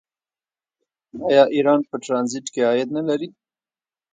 آیا ایران په ټرانزیټ کې عاید نلري؟